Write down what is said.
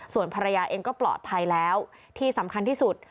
ส่วนภรรยาเองก็ปลอดภัยแล้วที่สำคัญที่สุด